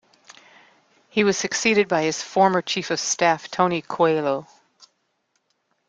He was succeeded by his former chief of staff, Tony Coelho.